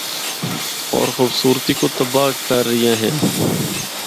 ہور خوبصورتی کو تبّاہ کر رہیاں ہن۔